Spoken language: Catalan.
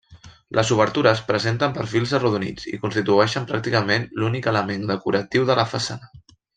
Les obertures presenten perfils arrodonits i constitueixen pràcticament l'únic element decoratiu de la façana.